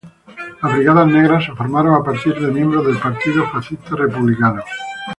Las Brigadas Negras se formaron a partir de miembros del Partido Fascista Republicano.